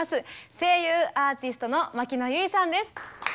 声優アーティストの牧野由依さんです。